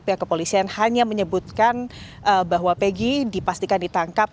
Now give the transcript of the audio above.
pihak kepolisian hanya menyebutkan bahwa peggy dipastikan ditangkap